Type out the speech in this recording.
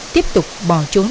tiếp tục bỏ trốn